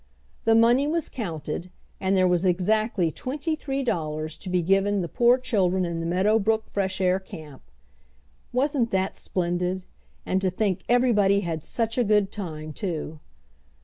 The money was counted, and there was exactly twenty three dollars to be given the poor children in the Meadow Brook Fresh Air Camp. Wasn't that splendid? And to think everybody had such a good time too!